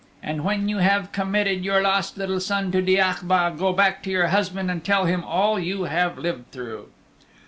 And when you have committed your lost little son to Diachbha go back to your husband and tell him all you have lived through."